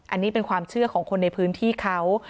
อันนี้เป็นความเชื่อของคนในพื้นที่เขา